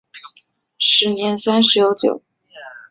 时年三十有九。